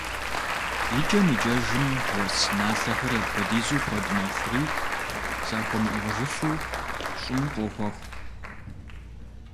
ИкӀэм икӀэжым, уэс налъэхэр апхуэдизу куэд мэхъури, захуэмыӀыгъыжыфу, щӀым къохуэх.